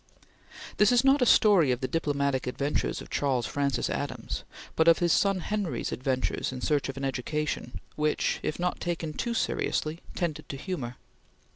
This is not a story of the diplomatic adventures of Charles Francis Adams, but of his son Henry's adventures in search of an education, which, if not taken too seriously, tended to humor.